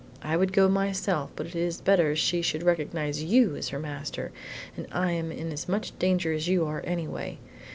I would go myself, but it is better she should recognize you as her master, and I am in as much danger as you are, anyway.